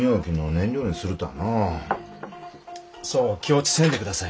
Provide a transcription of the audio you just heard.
そう気落ちせんでください